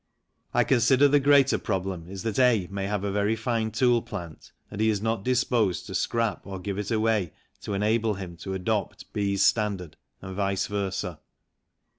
I consider the greater problem is that A may have a very fine tool plant and he is not disposed to scrap it or give it away to enable him to adopt B's standard and vice versa.